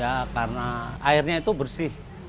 ya karena airnya itu bersih